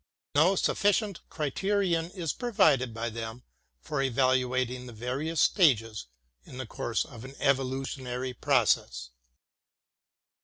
No sufficient criterion is provided by them for evaluating the HEGEL 5 various stages in the course of an evolutionary process.